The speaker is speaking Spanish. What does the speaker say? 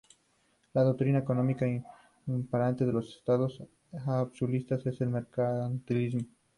La doctrina económica imperante en el Estado absolutista es el mercantilismo.